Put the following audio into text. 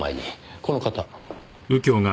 この方。